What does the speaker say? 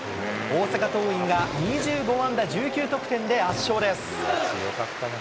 大阪桐蔭が２５安打１９得点で圧勝です。